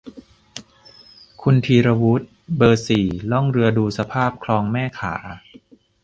คุณธีรวุฒิ เบอร์ สี่ ล่องเรือดูสภาพคลองแม่ข่า